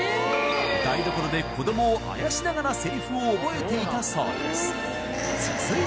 台所で子どもをあやしながらセリフを覚えていたそうです